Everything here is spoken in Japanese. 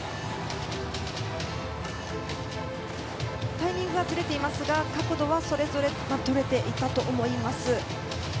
タイミングはずれていますが角度はそれぞれまとめていたと思います。